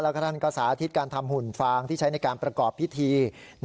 แล้วก็ท่านก็สาธิตการทำหุ่นฟางที่ใช้ในการประกอบพิธี